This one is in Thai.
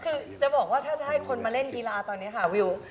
คือจะบอกว่าถ้าจะให้คนมาเล่นกีฬาตอนนี้ค่ะวิว